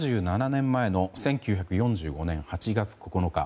７７年前の１９４５年８月９日。